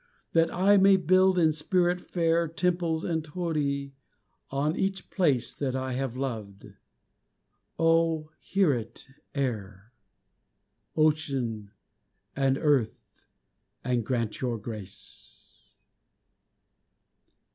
That I may build in spirit fair Temples and torii on each place That I have loved Oh, hear it, Air, Ocean and Earth, and grant your grace!